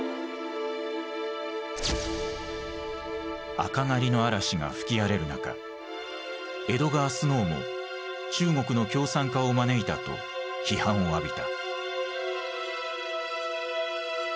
赤狩りの嵐が吹き荒れる中エドガー・スノーも「中国の共産化を招いた」と批判を浴びた。